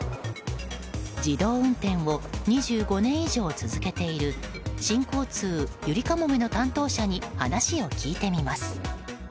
自動運転を２５年以上続けている新交通ゆりかもめの担当者に話を聞いてみます。